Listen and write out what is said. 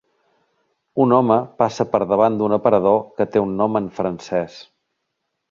Un home passa per davant d'un aparador que té un nom en francès.